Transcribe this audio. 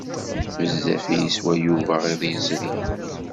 Bezzaf i yeswa Yuba iḍ yezrin.